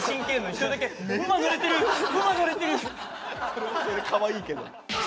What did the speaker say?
それもそれでかわいいけど。